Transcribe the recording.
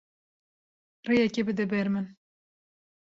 Rêyekê bide ber min.